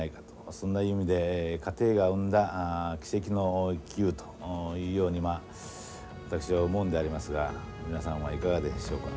そんな意味で過程が生んだ奇跡の１球というようにまあ私は思うんでありますが皆さんはいかがでしょうか。